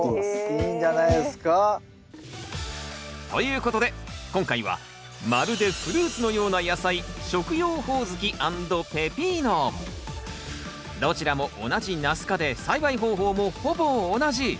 いいんじゃないですか！ということで今回はまるでフルーツのような野菜どちらも同じナス科で栽培方法もほぼ同じ。